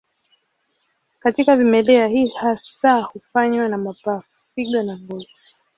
Katika vimelea hii hasa hufanywa na mapafu, figo na ngozi.